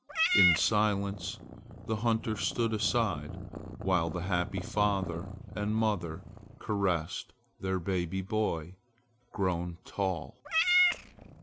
In silence the hunter stood aside, while the happy father and mother caressed their baby boy grown tall.